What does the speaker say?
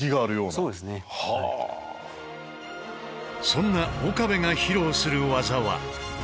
そんな岡部が披露する技は。